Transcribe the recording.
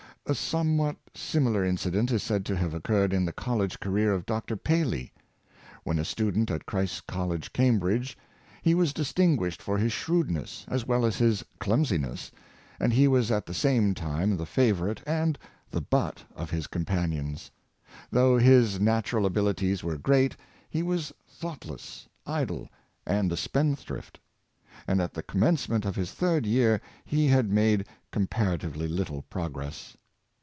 A somewhat similar incident is said to have occurred in the college career of Dr. Paley. When a student at Christ's College, Cambridge, he was distinguished for his shrewdness as well as his clumsiness, and he was at the same time the favorite and the butt of his compan ions. Though his natural abilities were great, he was thoughtless, idle, and a spendthrift; and at the com mencement of his third year he had made compara tively Httle progress.